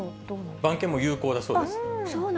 番犬も有効だそうです。